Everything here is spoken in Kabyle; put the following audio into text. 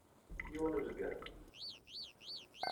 Yiwen uzger.